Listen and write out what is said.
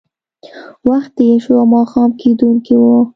وخت تېر شو او ماښام کېدونکی و